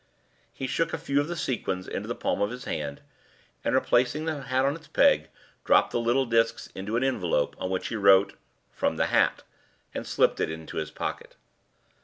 He shook a few of the sequins into the palm of his hand, and, replacing the hat on its peg, dropped the little discs into an envelope, on which he wrote, "From the hat," and slipped it into his pocket.